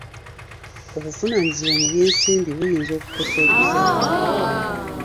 Obuvunaanyizibwa mu by'ensimbi buyinza okukosa okuzaala.